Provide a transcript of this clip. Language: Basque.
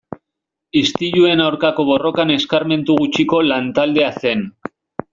Istiluen aurkako borrokan eskarmentu gutxiko lan-taldea zen.